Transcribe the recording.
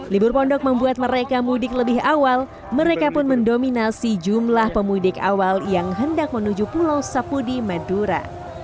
libur pondok membuat mereka mudik lebih awal mereka pun mendominasi jumlah pemudik awal yang hendak menuju pulau sapudi madura